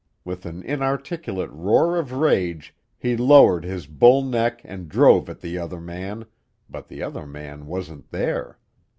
With an inarticulate roar of rage he lowered his bull neck and drove at the other man, but the other man wasn't there!